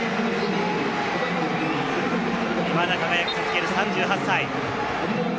未だ輝き続ける３８歳。